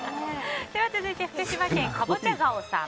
続いて、福島県の方。